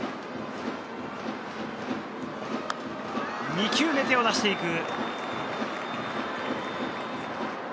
２球目、手を出していく。